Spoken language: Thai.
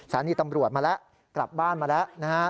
สถานีตำรวจมาแล้วกลับบ้านมาแล้วนะฮะ